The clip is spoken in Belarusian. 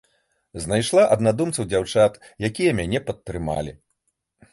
Знайшла аднадумцаў-дзяўчат, якія мяне падтрымалі.